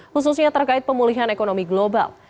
khususnya terkait pemulihan ekonomi global